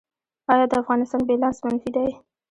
آیا د افغانستان بیلانس منفي دی؟